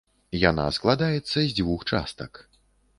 Яна складаецца з дзвюх частак.